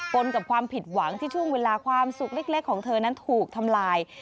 นกับความผิดหวังที่ช่วงเวลาความสุขเล็กของเธอนั้นถูกทำลาย